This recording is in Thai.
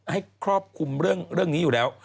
ครอบคลุมเรื่องนี้อยู่แล้ว